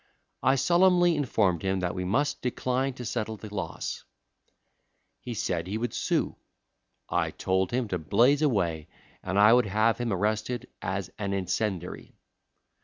I solemnly informed him that we must decline to settle the loss. He said he would sue. I told him to blaze away, and I would have him arrested as an incendiary.